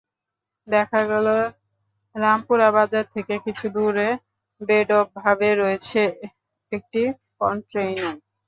দেখা গেল, রামপুরা বাজার থেকে কিছু দূরে বেঢপভাবে রয়েছে একটি কনটেইনার।